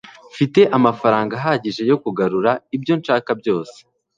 mfite amafaranga ahagije yo kugura ibyo nshaka byose.